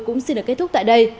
cũng xin được kết thúc tại đây